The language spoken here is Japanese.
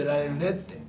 って。